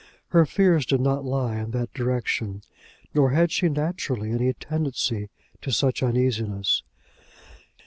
Her fears did not lie in that direction, nor had she naturally any tendency to such uneasiness.